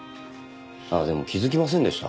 あっでも気づきませんでした？